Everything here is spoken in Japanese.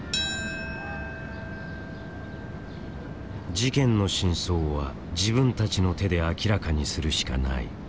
事件の真相は自分たちの手で明らかにするしかない。